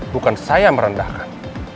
bukan saya merendahkan